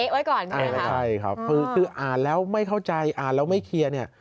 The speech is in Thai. เอ๊ะไว้ก่อนนะครับอ่านแล้วไม่เข้าใจอ่านแล้วไม่เคลียร์เนี่ย